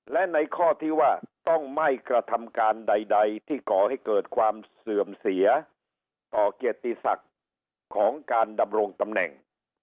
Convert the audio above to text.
และในข้อที่ว่าต้องไม่กระทำการใดที่ก่อให้เกิดความเสื่อมเสียต่อเกียรติศักดิ์ของการดำรงตำแหน่ง